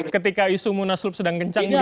ketika isu monaslob sedang kencang gitu ya